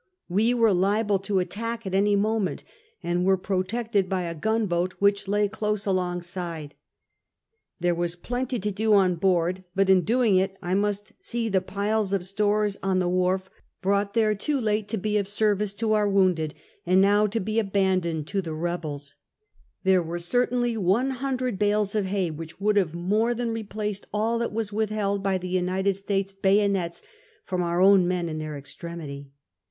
We were liable to attack at any moment, and were protected by a gunboat which lay close along side. There was plenty to do on board, but in doing it I must see the piles of stores on the wharf brought there Take Final Leave of Fkedekicksburg. 345 too late to be of service to our wounded, and now to be abandoned to the Rebels. There were certainly one hundred bales of hay, which would have more than replaced all that was withheld by United States bayo nets from our own men in their extremity.